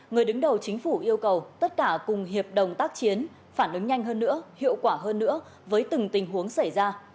người đứng đầu chính phủ yêu cầu tất cả cùng hiệp đồng tác chiến phản ứng nhanh hơn nữa hiệu quả hơn nữa với từng tình huống xảy ra